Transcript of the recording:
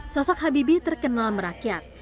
sosok habibie terkenal merakyat